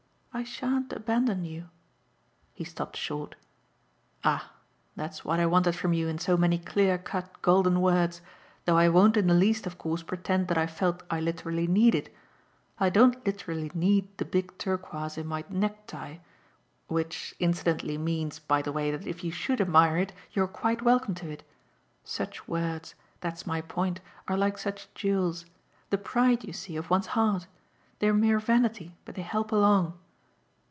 I shan't abandon you." He stopped short. "Ah that's what I wanted from you in so many clear cut golden words though I won't in the least of course pretend that I've felt I literally need it. I don't literally need the big turquoise in my neck tie; which incidentally means, by the way, that if you should admire it you're quite welcome to it. Such words that's my point are like such jewels: the pride, you see, of one's heart. They're mere vanity, but they help along.